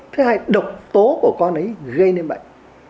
thứ hai độc tố của con ấy gây nên bệnh